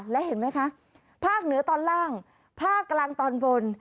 และเห็นไหมคะภาคเหนือตอนล่างภาคกลางตอนบน